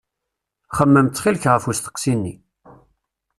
Xemmem ttxil-k ɣef usteqsi-nni.